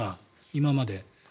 今まで。